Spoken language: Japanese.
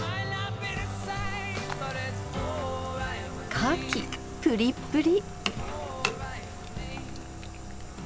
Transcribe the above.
かきプリップリ！